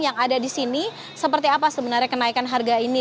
yang ada di sini seperti apa sebenarnya kenaikan harga ini